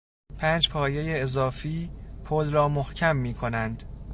پنج پایهی اضافی پل را محکم میکنند.